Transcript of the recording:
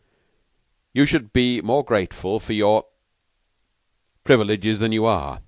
You should be more grateful for your privileges than you are.